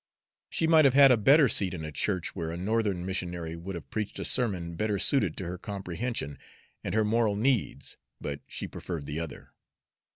She might have had a better seat in a church where a Northern missionary would have preached a sermon better suited to her comprehension and her moral needs, but she preferred the other.